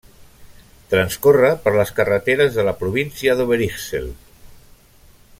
Transcorre per les carreteres de la Província d'Overijssel.